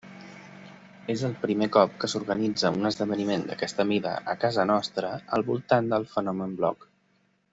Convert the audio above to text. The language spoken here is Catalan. És el primer cop que s'organitza un esdeveniment d'aquesta mida a casa nostra al voltant del fenomen bloc.